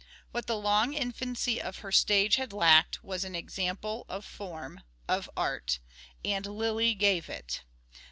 What tne long infancy of her stage had lacked was an example of form, of art ; and Lyly gave it.